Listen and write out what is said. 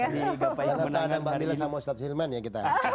di bapak yang gunakan hari ini